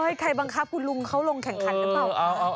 ใครบังคับคุณลุงเขาลงแข่งขันหรือเปล่า